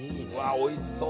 おいしそう！